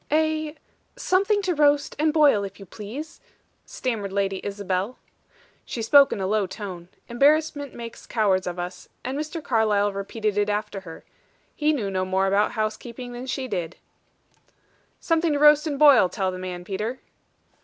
"A Something to roast and boil, if you please," stammered Lady Isabel. She spoke in a low tone. Embarrassment makes cowards of us; and Mr. Carlyle repeated it after her. He knew no more about housekeeping than she did. "Something to roast and boil, tell the man, Peter."